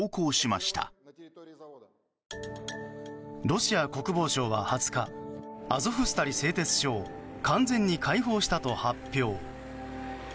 ロシア国防省は２０日アゾフスタリ製鉄所を完全に解放したと発表。